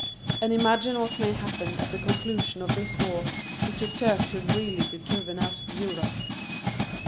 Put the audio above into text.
And imagine what may happen at the conclusion of this war if the Turk should really be driven out of Europe."